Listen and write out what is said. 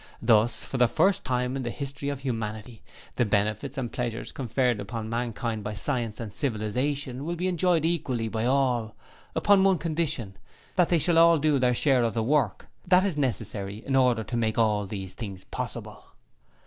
'Thus for the first time in the history of humanity the benefits and pleasures conferred upon mankind by science and civilization will be enjoyed equally by all, upon the one condition, that they shall do their share of the work, that is necessary in order to, make all these things possible.